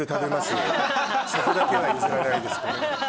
そこだけは譲らないです。